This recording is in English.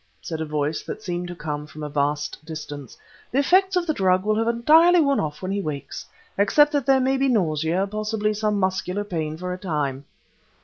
said a voice that seemed to come from a vast distance. "The effects of the drug will have entirely worn off when he wakes, except that there may be nausea, and possibly muscular pain for a time."